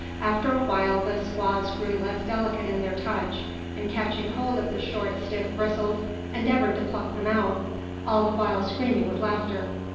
After a while the squaws grew less delicate in their touch; and catching hold of the short, stiff bristles, endeavoured to pluck them out, all the while screaming with laughter.